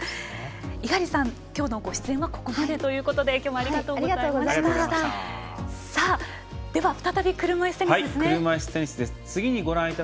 猪狩さん、きょうのご出演はここまでということできょうもありがとうございました。